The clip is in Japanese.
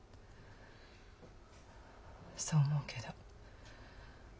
そう思うけど。